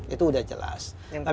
itu udah jelas